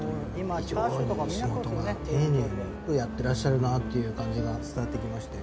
非常に仕事が丁寧によくやってらっしゃるなっていう感じが伝わってきましたよ。